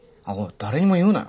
誰にも言うなよ。